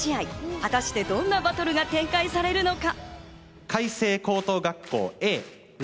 果たして、どんなバトルが展開されるのか。